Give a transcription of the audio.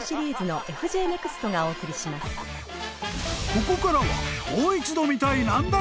［ここからは］